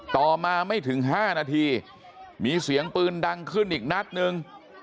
ต่อมาไม่ถึง๕นาทีมีเสียงปืนดังขึ้นอีกนัดนึง